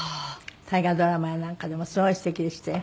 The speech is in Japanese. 大河ドラマやなんかでもすごいすてきでしたよ。